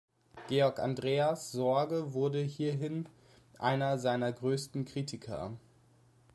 Georg Andreas Sorge wurde hierin einer seiner größten Kritiker.